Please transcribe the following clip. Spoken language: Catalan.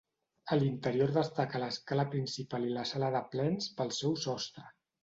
A l'interior destaca l'escala principal i la sala de plens pel seu sostre.